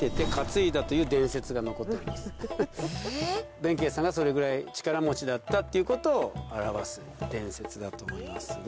弁慶さんがそれぐらい力持ちだったってことを表す伝説だと思います。